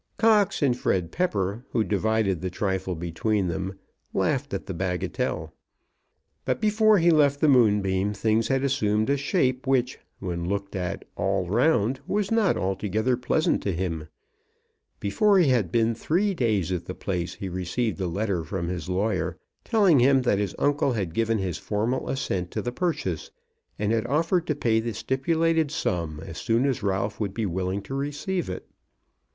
Cox and Fred Pepper, who divided the trifle between them, laughed at the bagatelle. But before he left the Moonbeam things had assumed a shape which, when looked at all round, was not altogether pleasant to him. Before he had been three days at the place he received a letter from his lawyer, telling him that his uncle had given his formal assent to the purchase, and had offered to pay the stipulated sum as soon as Ralph would be willing to receive it.